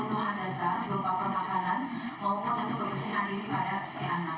untuk melihat apakah anak yang akhirnya tidur cukup sampai ini